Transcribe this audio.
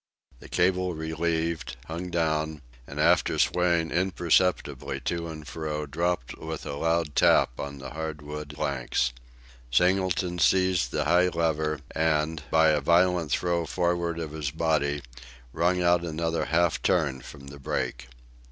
The cable relieved, hung down, and after swaying imperceptibly to and fro dropped with a loud tap on the hard wood planks. Singleton seized the high lever, and, by a violent throw forward of his body, wrung out another half turn from the brake.